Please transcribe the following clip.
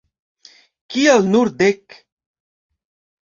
Kial nur dek?